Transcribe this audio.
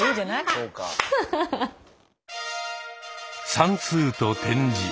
算数と点字。